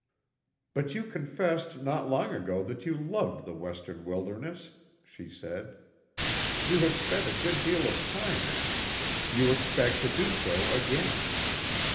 "But you confessed not long ago that you loved the Western wilderness," she said. "You have spent a good deal of time in it; you expect to do so again.